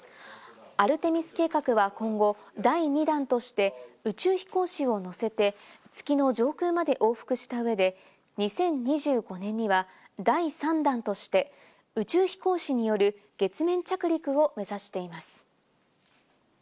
アルテミス計画は今後、第２弾として宇宙飛行士を乗せて月の上空まで往復した上で、２０２５年には第３弾として、宇宙飛行士による月面着陸を目指しています。